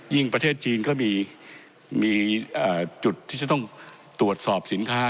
ประเทศจีนก็มีจุดที่จะต้องตรวจสอบสินค้า